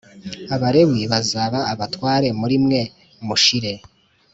Abalewi bazaba abatware muri mwe Mushire